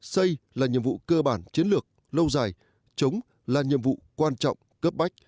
xây là nhiệm vụ cơ bản chiến lược lâu dài chống là nhiệm vụ quan trọng cấp bách